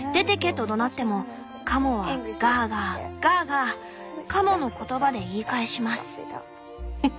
とどなってもカモはガーガーガーガーカモの言葉で言い返します」。